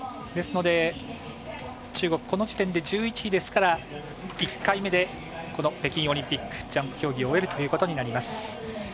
ですので、中国この時点で１１位ですから１回目でこの北京オリンピックジャンプ競技を終えるということになります。